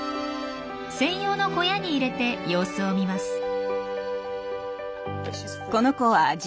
専用の小屋に入れて様子を見ます。